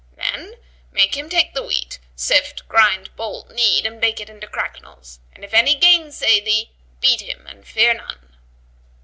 Then make him take the wheat, sift, grind, bolt, knead, and bake it into cracknels; and if any gainsay thee, beat him and fear none."